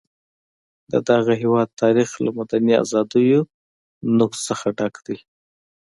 د دغه هېواد تاریخ له مدني ازادیو نقض څخه ډک دی.